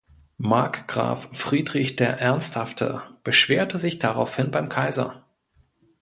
Markgraf Friedrich der Ernsthafte beschwerte sich daraufhin beim Kaiser.